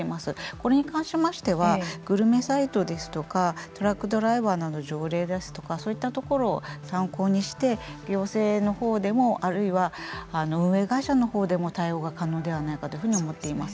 これに関しましてはグルメサイトですとかトラックドライバーの条例ですとかそういったところを参考にして行政のほうでもあるいは運営会社のほうでも対応が可能ではないかと思っています。